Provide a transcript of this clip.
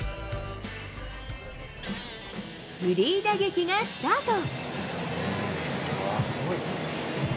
フリー打撃がスタート。